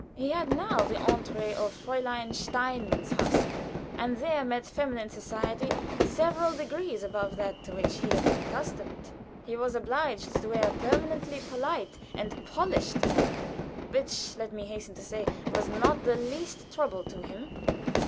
He had now the entrée of Frau Steinmann's house and there met feminine society several degrees above that to which he had been accustomed. He was obliged to wear a permanently polite and polished manner (which, let me hasten to say, was not the least trouble to him).